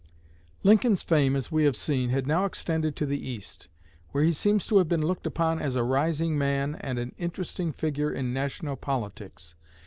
Lincoln's fame, as we have seen, had now extended to the East, where he seems to have been looked upon as a rising man and an interesting figure in national politics.